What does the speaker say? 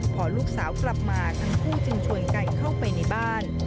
พอลูกสาวกลับมาทั้งคู่จึงชวนกันเข้าไปในบ้าน